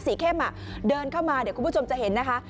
เข้มเดินเข้ามาเดี๋ยวคุณผู้ชมจะเห็นนะคะ